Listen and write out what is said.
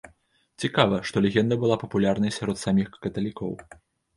Цікава, што легенда была папулярнай сярод саміх каталікоў.